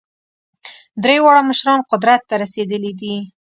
درې واړه مشران قدرت ته رسېدلي دي.